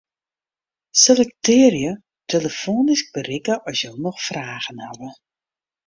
Selektearje 'telefoanysk berikke as jo noch fragen hawwe'.